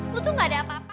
lu tuh gak ada apa apa